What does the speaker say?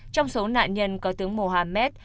trong số nạn nhân có tướng mohammed